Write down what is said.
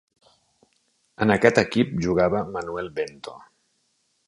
En aquest equip jugava Manuel Bento.